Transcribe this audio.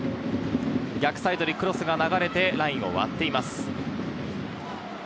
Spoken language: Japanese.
逆サイドにクロスが流れてラインを割っています。